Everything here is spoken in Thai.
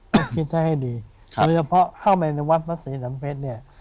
ต้องคิดให้ดีโดยเฉพาะเข้าไปในวัดพระศรีน้ำเพชรเนี่ย